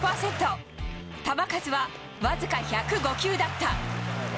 球数は僅か１０５球だった。